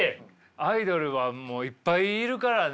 アイドルはもういっぱいいるからね。